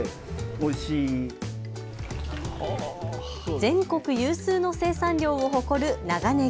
全国有数の生産量を誇る長ねぎ。